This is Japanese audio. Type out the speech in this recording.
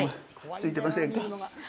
ついてませんか？